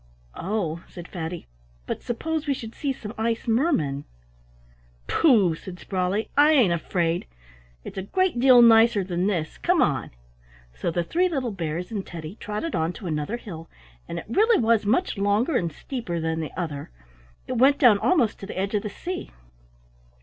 "Oh," said Fatty, "but suppose we should see some ice mermen?" "Pooh!" said Sprawley, "I ain't afraid. It's a great deal nicer than this. Come on." So the three little bears and Teddy trotted on to another hill, and it really was much longer and steeper than the other; it went down almost to the edge of the sea.